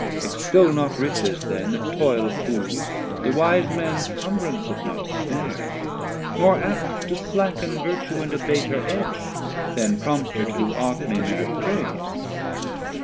Extol not Riches then, the toyl of Fools The wise mans cumbrance if not snare, more apt To slacken Virtue, and abate her edge, Then prompt her to do aught may merit praise.